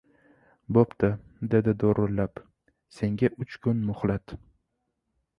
— Bo‘pti! — dedi do‘rillab. — Senga uch kun muhlat.